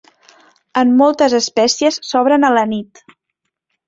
En moltes espècies s'obren a la nit.